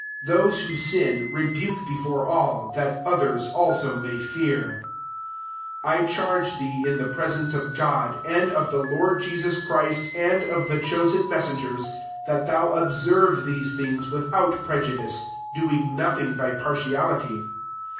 20 Those who sin rebuke before all, that others also may fear. 21 I charge thee in the pre^ senctB of God, and of [M<f Lord'] Jesus Christ, and of the chosen messengers,* that thou observe these things without prejudice, doing nothing by partiality.